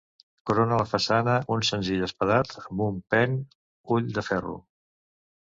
Corona la façana un senzill espadat, amb un pen ull de ferro.